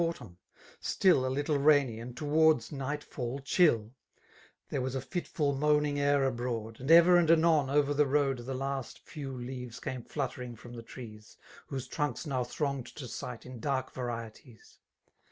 aittUJttn^ ^ftill, A little rfdnyi and towards n^MaU ohitt ; There yrm a fitful^^ moatmg pit $bxQ8A$ And ever and anon^ over the road* The last few leaves came fluttering lirom the trees» Whose trunks now thronged to sights indark varieties.